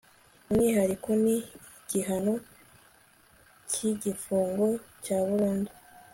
umwihariko ni igihano cy igifungo cyaburundu